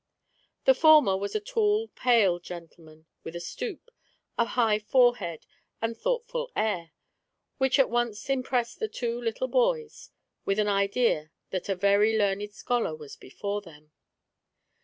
The former was a tall, pale gentleman, with a stoop, a high forehead and thoughtful air, which at once impressed the two little boys with an idea that a very learned scholar was before them.